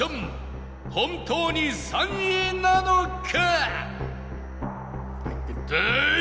本当に３位なのか？